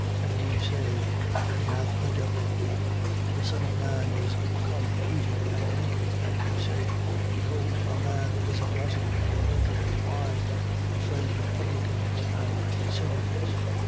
And you say: He hath a devil. 7:34. The Son of man is come eating and drinking. And you say: Behold a man that is a glutton and a drinker of wine, a friend of publicans and sinners.